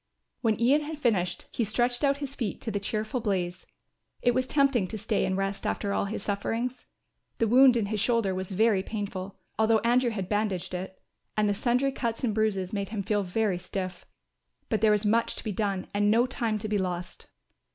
When Ian had finished he stretched out his feet to the cheerful blaze. It was tempting to stay and rest after all his sufferings. The wound in his shoulder was very painful, although Andrew had bandaged it, and the sundry cuts and bruises made him feel very stiff. But there was much to be done and no time to be lost.